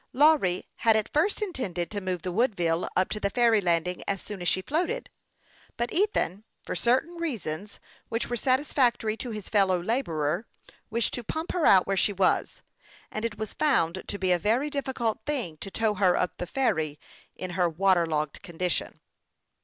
Lawry had at first intended to move the Woodville up to the ferry landing as soon as she floated; but Ethan, for certain reasons, which w^ere satisfactory to his fellow laborer, wished to pump THE YOUNG PILOT OF LAKE CHAMPLAIN. 145 her out where she was ; and it was found to be a very difficult thing to tow her up to the ferry, in her water logged condition.